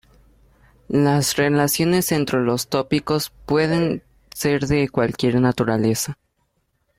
Las relaciones entre los tópicos pueden ser de cualquier naturaleza.